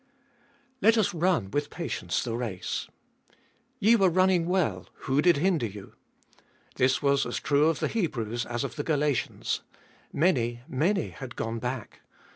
Let us run with patience the race. Ye were running well, zvho did hinder you ? This was as true of the Hebrews as of the Galatians : many, many had gone back.